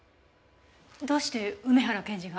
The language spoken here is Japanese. どうして梅原検事が？